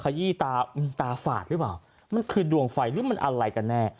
ขยี้ตาตาฝาดหรือเปล่ามันคือดวงไฟหรือมันอะไรกันแน่